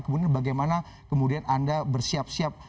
kemudian bagaimana kemudian anda bersiap siap